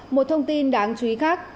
một thông tin đáng chú ý khác